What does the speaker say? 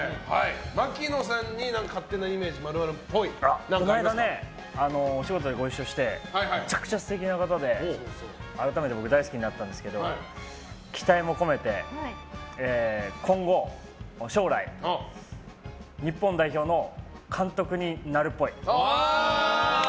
槙野さんに勝手なイメージ○○っぽいこの間お仕事でご一緒してめちゃくちゃ素敵な方で改めて僕大好きになったんですけど期待も込めて今後、将来、日本代表の監督に奈留っぽい。